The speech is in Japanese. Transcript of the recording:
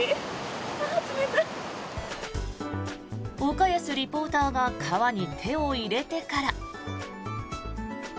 岡安リポーターが川に手を入れてから。